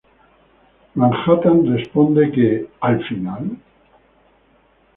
Manhattan responde que "¿Al final?